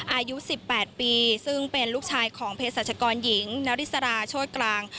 อายุ๑๘ปีซึ่งเป็นลูกชายของเพศรัชกรหญิงนาริสราโชธกลาง